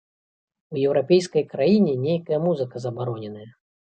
У еўрапейскай краіне нейкая музыка забароненая!